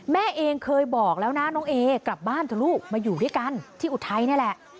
แม่เองเคยบอกแล้วนะน้องเอกลับบ้านเถอะลูกมาอยู่ด้วยกันที่อุทัยนี่แหละ